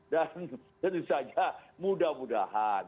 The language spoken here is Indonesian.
dan tentu saja mudah mudahan